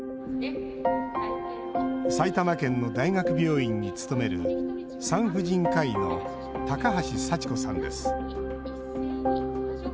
埼玉県の大学病院に勤める産婦人科医の高橋幸子さんです。